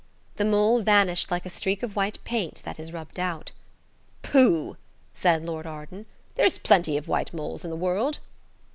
The mole vanished like a streak of white paint that is rubbed out. "Pooh!" said Lord Arden. "There's plenty white moles in the world."